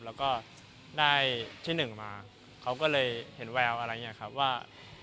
แล้วก็ได้ที่หนึ่งมาเขาก็เลยเห็นแววอะไรอย่างนี้ครับว่า